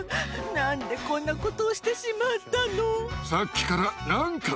何でこんなことをしてしまったの。